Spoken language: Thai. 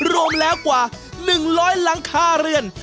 รวมแล้วกว่า๑๐๐หลังคาเรือน